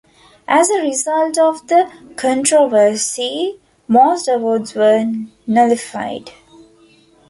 As a result of the controversy, most awards were nullified.